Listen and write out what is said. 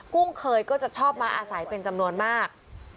กุ้งเคยก็จะชอบมาอาศัยเป็นจำนวนมาก